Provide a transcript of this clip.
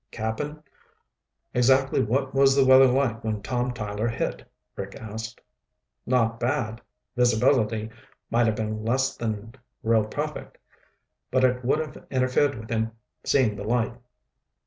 "Cap'n, exactly what was the weather like when Tom Tyler hit?" Rick asked. "Not bad. Visibility might have been less than real perfect, but it wouldn't have interfered with him seeing the light."